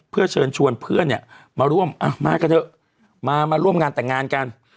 เพื่อเชิญชวนเพื่อนเนี่ยมาร่วมมากันเถอะมาร่วมงานแต่งงานกัน